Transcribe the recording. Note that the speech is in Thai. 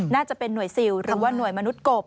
น่าจะเป็นหน่วยซิลหรือว่าหน่วยมนุษย์กบ